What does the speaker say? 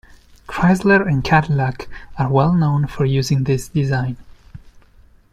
Chrysler and Cadillac are well known for using this design.